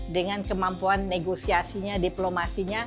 dengan kemampuan negosiasinya diplomasinya